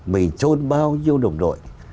mình trôn bao nhiêu đồng đội